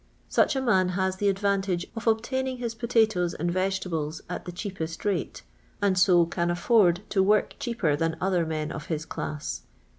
Such a man has the advantage of obtaining his potatoes and vege tables at the cheapest rate, and so can alfbrd to work cheaper than other men of his class.